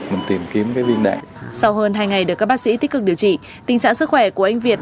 đã tiếp nhận bệnh viện